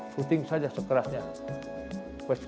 tendangan kamu keras saja sekerasnya